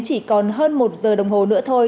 chỉ còn hơn một giờ đồng hồ nữa thôi